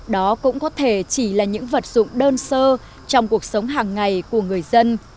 đó cũng có thể chỉ là những vật dụng đơn sơ trong cuộc sống hàng ngày của người dân